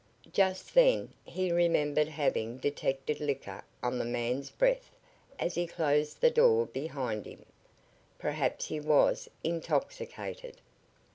Just then he remembered having detected liquor on the man's breath as he closed the door behind him. Perhaps he was intoxicated!